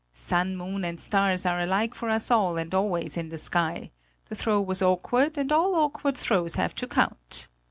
Sun, moon and stars are alike for us all and always in the sky; the throw was awkward, and all awkward throws have to count!"